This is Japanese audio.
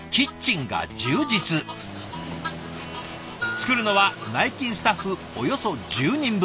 作るのは内勤スタッフおよそ１０人分。